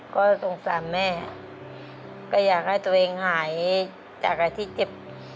ก็สงสารแม่ก็อยากให้ตัวเองหายจากอะไรที่เจ็บ